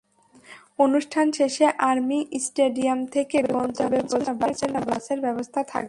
অনুষ্ঠান শেষে army stadium থেকে গন্তব্যে পৌঁছানোর জন্য বাসের ব্যবস্থা থাকবে।